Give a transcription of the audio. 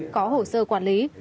có hồ sơ quản lý